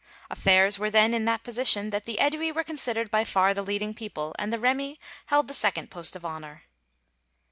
Affairs were then in that position, that the Ædui were considered by far the leading people, and the Remi held the second post of honor.